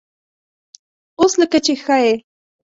_اوس لکه چې ښه يې؟